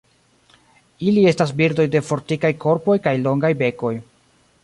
Ili estas birdoj de fortikaj korpoj kaj longaj bekoj.